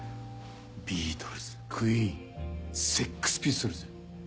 ビートルズクイーンセックス・ピストルズ。